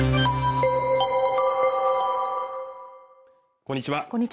こんにちは